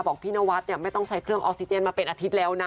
พี่นวัดไม่ต้องใช้เครื่องออกซิเจนมาเป็นอาทิตย์แล้วนะ